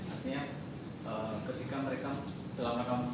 jadi bapak karena